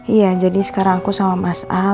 iya jadi sekarang aku sama mas al